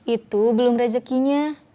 itu belum rezekinya